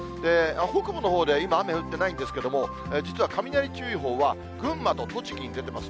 北部のほうで今、雨降ってないんですけれども、実は雷注意報は、群馬と栃木に出てます。